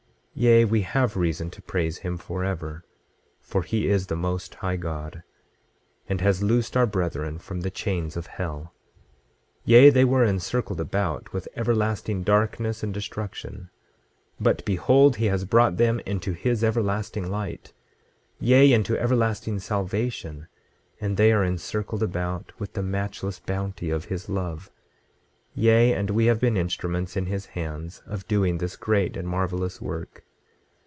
26:14 Yea, we have reason to praise him forever, for he is the Most High God, and has loosed our brethren from the chains of hell. 26:15 Yea, they were encircled about with everlasting darkness and destruction; but behold, he has brought them into his everlasting light, yea, into everlasting salvation; and they are encircled about with the matchless bounty of his love; yea, and we have been instruments in his hands of doing this great and marvelous work.